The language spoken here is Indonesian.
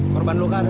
korban luka ada